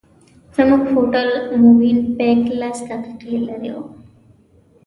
زموږ هوټل مووېن پېک لس دقیقې لرې و.